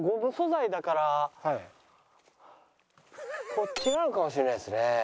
こっちなのかもしれないですね。